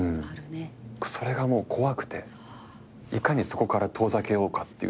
それがもう怖くていかにそこから遠ざけようかっていう。